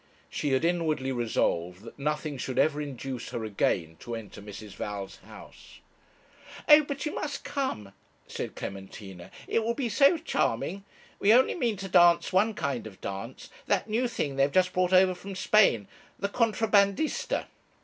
She had inwardly resolved that nothing should ever induce her again to enter Mrs. Val's house. 'Oh, but you must come,' said Clementina. 'It will be so charming. We only mean to dance one kind of dance that new thing they have just brought over from Spain the Contrabandista.